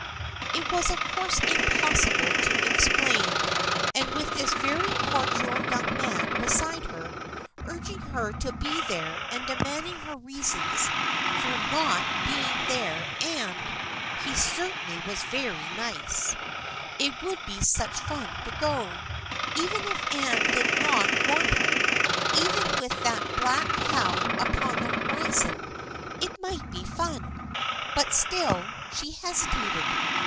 It was of course impossible to explain, and with this very cordial young man beside her, urging her to be there and demanding her reasons for not 128 THE FEIENDSHIP OF ANNE being there and — he certainly was very nice. It would be such fun to go. Even if Anne did not want her, even with that black cloud upon the horizon, it might be fun. But still she hesitated.